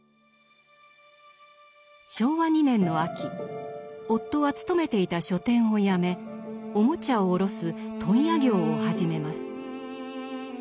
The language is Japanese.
昭和２年の秋夫は勤めていた書店を辞めおもちゃを卸す問屋業を始めます。